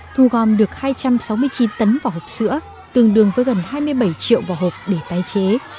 thu gom được hai trăm sáu mươi chín tấn vỏ hộp sữa tương đương với gần hai mươi bảy triệu vỏ hộp để tái chế